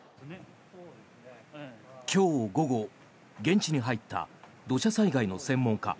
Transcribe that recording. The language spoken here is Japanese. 今日午後、現地に入った土砂災害の専門家